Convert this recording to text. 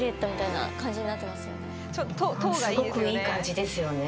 すごくいい感じですよね。